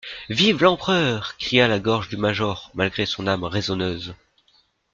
«Vive l'Empereur !» cria la gorge du major, malgré son âme raisonneuse.